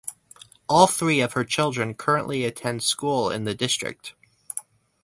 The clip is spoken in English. All three of her children currently attend school in the district.